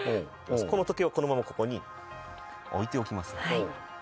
この時計はこのままここに置いておきます。